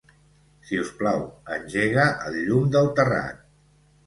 Si us plau, engega el llum del terrat.